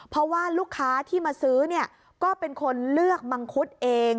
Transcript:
เพราะว่าลูกค้าที่มาซื้อเนี่ยก็เป็นคนเลือกมังคุดเอง